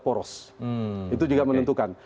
poros itu juga menentukan